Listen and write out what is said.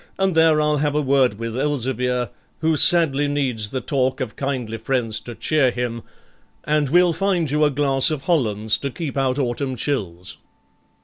and there I'll have a word with Elzevir, who sadly needs the talk of kindly friends to cheer him, and we'll find you a glass of Hollands to keep out autumn chills.'